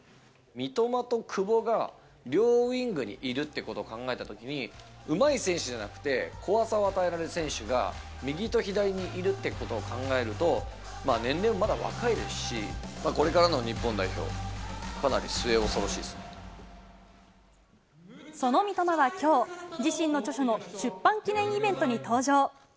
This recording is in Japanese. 三笘と久保が、両ウイングにいるってことを考えたときに、うまい選手じゃなくて、怖さを与えられる選手が右と左にいるっていうことを考えると、まあ年齢もまだ若いですし、これからの日本代表、その三笘はきょう、自身の著書の出版記念イベントに登場。